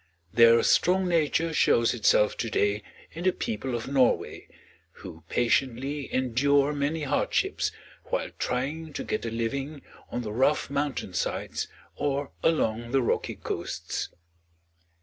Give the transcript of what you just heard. Their strong nature shows itself to day in the people of Norway, who patiently endure many hardships while trying to get a living on the rough mountain sides or along the rocky coasts.